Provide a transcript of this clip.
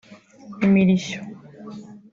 Imirishyo